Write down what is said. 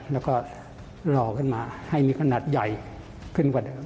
แล้วก็หล่อขึ้นมาให้มีขนาดใหญ่ขึ้นกว่าเดิม